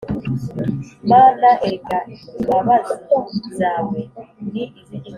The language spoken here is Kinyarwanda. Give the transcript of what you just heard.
Mana, erega imabazi zawe ni iz’igiciro cyinshi